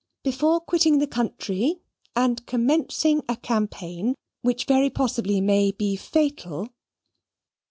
"Before quitting the country and commencing a campaign, which very possibly may be fatal."